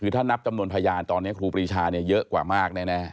คือถ้านับจำนวนพยานตอนนี้ครูปรีชาเนี่ยเยอะกว่ามากแน่